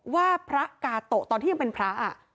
ว่าพระกาโตะตอนที่ยังเป็นพระ